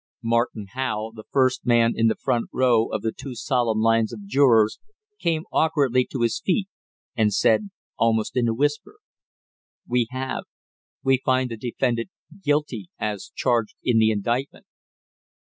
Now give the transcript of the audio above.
Martin Howe, the first man in the front row of the two solemn lines of jurors, came awkwardly to his feet and said almost in a whisper: "We have. We find the defendant guilty as charged in the indictment."